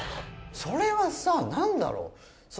それはさ何だろう？